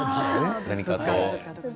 何かと。